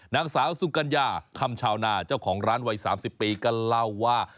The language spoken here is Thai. นางสาวสุกัญญาคำชาวนาเจ้าของร้านวัย๓๐ปีก็เล่าว่า